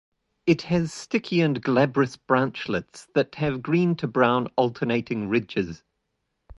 It has sticky and glabrous branchlets that have green to brown alternating ridges.